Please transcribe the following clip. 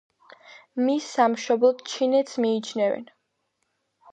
მის სამშობლოდ ჩინეთს მიიჩნევენ.